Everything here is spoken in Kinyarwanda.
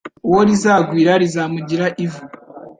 «Uwo rizagwira, rizamugira ivu.»